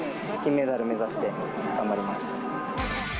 金メダル目指して頑張ります。